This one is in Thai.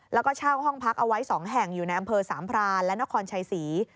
แล้วก็เช่าห้องพักเอาไว้๒แห่งอยู่ในอำเภอสามพรานและนครชัยศรี